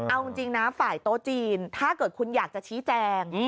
เอาจริงนะฝ่ายโต๊ะจีนถ้าเกิดคุณอยากจะชี้แจง